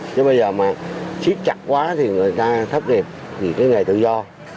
thế bây giờ mà siết chặt quá thì người ta thấp nghiệp thì cái này tự do